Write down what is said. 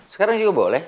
sekarang juga boleh